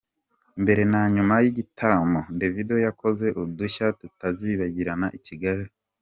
Mbere na nyuma y’igitaramo, Davido yakoze udushya tutazibagirana i Kigali.